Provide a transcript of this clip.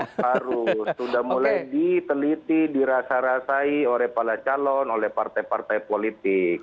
harus sudah mulai diteliti dirasa rasai oleh para calon oleh partai partai politik